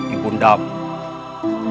menyusul ibu undamu